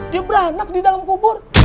dia beranak di dalam kubur